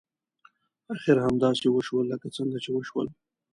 اخر همداسې وشول لکه څنګه چې وشول.